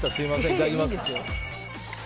いただきます。